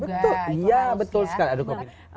iya betul sekali